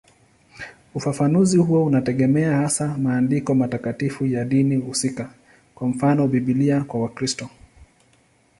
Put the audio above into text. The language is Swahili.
Ufafanuzi huo unategemea hasa maandiko matakatifu ya dini husika, kwa mfano Biblia kwa Wakristo.